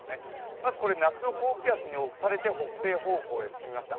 まずこれ、夏の高気圧に押されて北西方向に進みました。